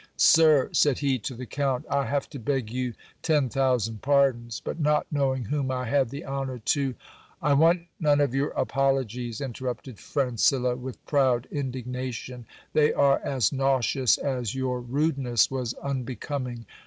Sir, said he to the Count, I have to beg you ten thousand pardons ; but not PREPARATIONS FOR THE MARRIAGE. 313 knowing whom I had the honour to I want none of your apologies, interrupted Francillo with proud indignation; they are as nauseous as your rudeness was unbecoming.